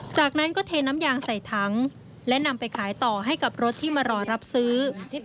จากนั้นก็เทน้ำยางใส่ถังและนำไปขายต่อให้กับรถที่มารอรับซื้อ